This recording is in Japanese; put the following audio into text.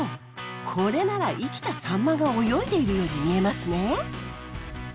これなら生きたサンマが泳いでいるように見えますね。